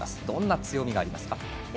どんな強みがありますか？